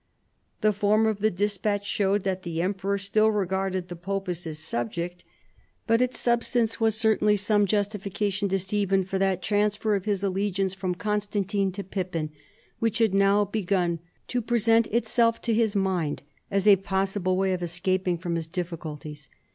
The form of the despatch showed that the emperor still regarded the pope as his subject, but its suljstance Avas certainly some justification to Stephen for that transfer of his allegiance from Constantine to Pippin, wliich had now begun to present itself to his mind as a possible way of escape from his difficulties.